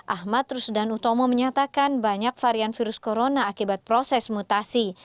ahmad rusdan utomo menyatakan banyak varian virus corona akibat proses mutasi